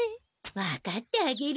分かってあげる！